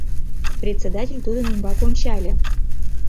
Председатель тудын ӱмбак ончале.